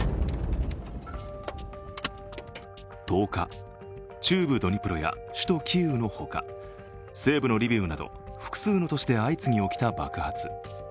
１０日、中部ドニプロや首都キーウのほか西部のリビウなど複数の都市で相次ぎ起きた爆発。